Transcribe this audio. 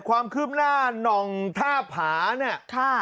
ความคืบหน้านองท่าผาเนี่ย